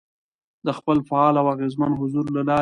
، د خپل فعال او اغېزمن حضور له لارې،